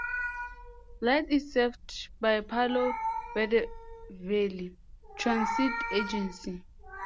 Blythe is served by Palo Verde Valley Transit Agency.